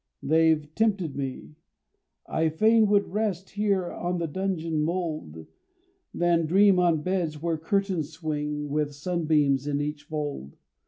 They've tempted me I fain would rest Here on the dungeon mould, Than dream on beds where curtains swing With sunbeams in each fold.